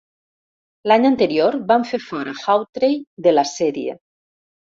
L'any anterior, van fer fora Hawtrey de la sèrie.